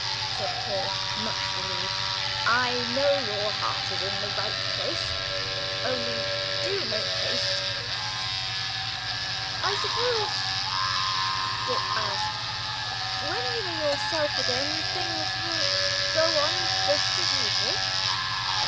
said Paul, much relieved, "I know your heart is in the right place only do make haste." "I suppose," Dick asked, "when you are yourself again, things would go on just as usual?"